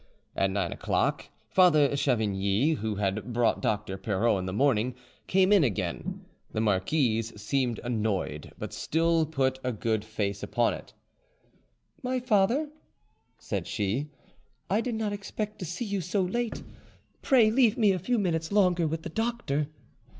At nine o'clock, Father Chavigny, who had brought Doctor Pirot in the morning, came in again. The marquise seemed annoyed, but still put a good face upon it. "My father," said she, "I did not expect to see you so late; pray leave me a few minutes longer with the doctor."